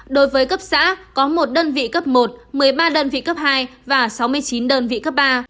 đối với cấp xã có một đơn vị cấp một một mươi ba đơn vị cấp hai và sáu mươi chín đơn vị cấp ba